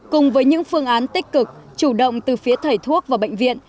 cùng với những phương án tích cực chủ động từ phía thầy thuốc và bệnh viện